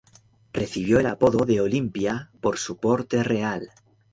Recibió el apodo de "Olympia" por su porte real.